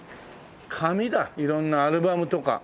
色んなアルバムとか。